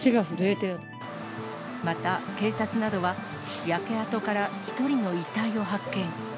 また警察などは、焼け跡から１人の遺体を発見。